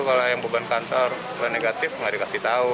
kalau yang bukan kantor kalau negatif nggak dikasih tahu